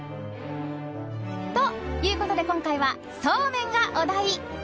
ということで今回は、そうめんがお題。